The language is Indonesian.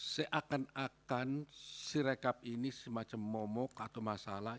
seakan akan si rekap ini semacam momok atau masalah